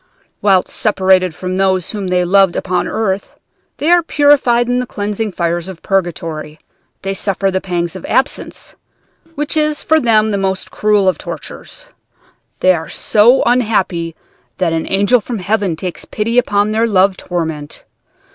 "'Whilst separated from those whom they loved upon earth, they are purified in the cleansing fires of purgatory, they suffer the pangs of absence, which is for them the most cruel of tortures. They are so unhappy that an angel from heaven takes pity upon their love torment.